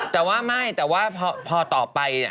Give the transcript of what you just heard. แต่ว่าไม่แต่ว่าพอต่อไป